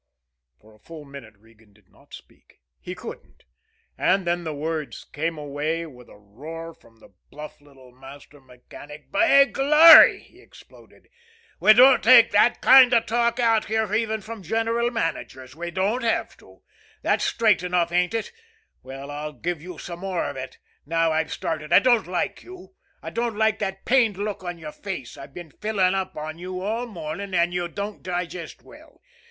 For a full minute Regan did not speak. He couldn't. And then the words came away with a roar from the bluff little master mechanic. "By glory!" he exploded. "We don't take that kind of talk out here even from general managers we don't have to! That's straight enough, ain't it? Well, I'll give you some more of it, now I've started. I don't like you. I don't like that pained look on your face. I've been filling up on you all morning, and you don't digest well.